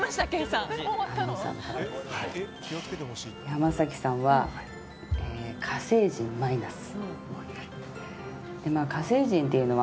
山崎さんは、火星人マイナス。